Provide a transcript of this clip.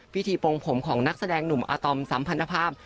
วิธีปลงผลของหนักแสดงหนุ่มอตอมสัมพันธภาพ